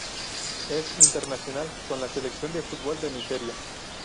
Es internacional con la selección de fútbol de Nigeria.